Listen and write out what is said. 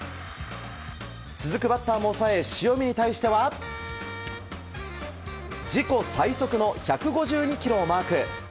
続くバッターも抑え塩見に対しては自己最速の１５２キロをマーク。